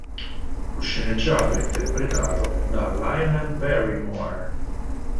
Fu sceneggiato e interpretato da Lionel Barrymore.